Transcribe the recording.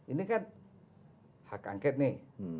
ini kan hak angket nih